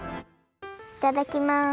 いただきます！